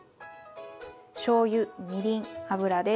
しょうゆみりん油です。